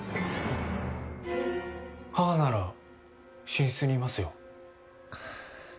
母なら寝室にいますよ。